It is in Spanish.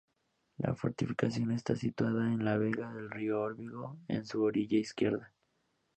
La fortificación está situada en la vega del río Órbigo, en su orilla izquierda.